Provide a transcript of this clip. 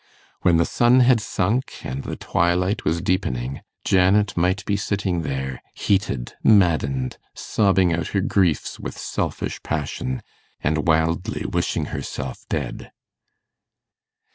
When the sun had sunk, and the twilight was deepening, Janet might be sitting there, heated, maddened, sobbing out her griefs with selfish passion, and wildly wishing herself dead.